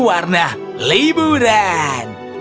dan warna liburan